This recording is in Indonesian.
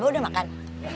abah sudah makan